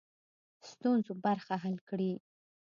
ستونزو برخه حل کړي.